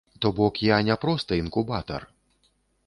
То бок я не проста інкубатар.